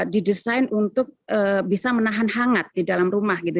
didesain untuk bisa menahan hangat di dalam rumah gitu